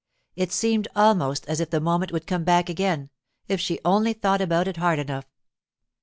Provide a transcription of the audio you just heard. It seemed almost as if the moment would come back again, if she only thought about it hard enough.